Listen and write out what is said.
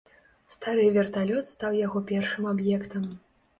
Стары верталёт стаў яго першым аб'ектам.